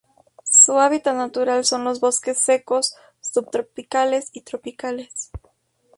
Su hábitat natural son los bosques secos subtropicales o tropicales.